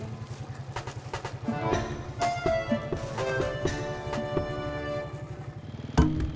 ini buat kamu wah bagi lagi dong